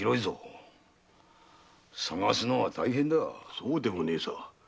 そうでもねぇさ。